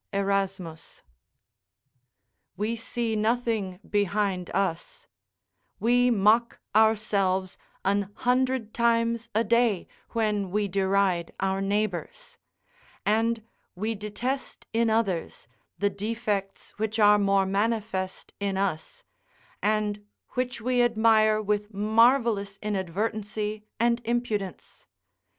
Erasmus] We see nothing behind us; we mock ourselves an hundred times a day; when we deride our neighbours; and we detest in others the defects which are more manifest in us, and which we admire with marvellous inadvertency and impudence.